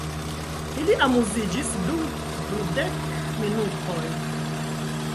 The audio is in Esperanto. Ili amuziĝis dum dudek minutoj.